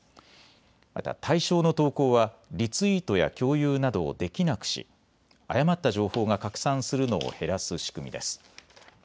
また対象の投稿はリツイートや共有などをできなくし誤った情報が拡散するのを減らす仕組みです。